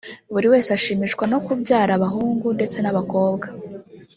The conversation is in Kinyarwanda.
buri wese ashimishwa no kubyara bahungu ndetse n'abakobwa